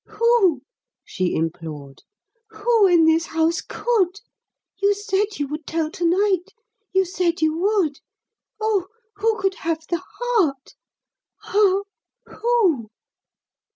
"Who?" she implored. "Who in this house could? You said you would tell to night you said you would. Oh, who could have the heart? Ah! Who?